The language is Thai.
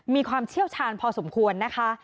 มีความเชี่ยวชาญพอสมควรนะคะ